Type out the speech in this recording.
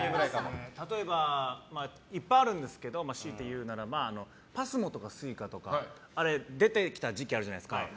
例えばいっぱいあるんですけどしいて言うならばＰＡＳＭＯとかＳＵＩＣＡとかあれが出てきた時期あるじゃないですか。